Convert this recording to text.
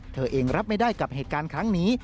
เธอเองรับไม่ได้กับเหตุการณ์ครั้งนี้